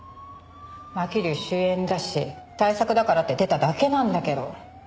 まきりゅう主演だし大作だからって出ただけなんだけど。